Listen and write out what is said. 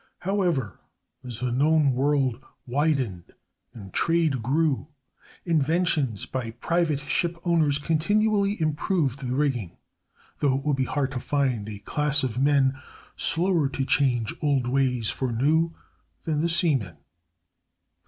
However, as the known world widened and trade grew, inventions by private ship owners continually improved the rigging, though it would be hard to find a class of men slower to change old ways for new than the seamen.